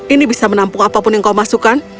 ini bisa menampung apapun yang kau masukkan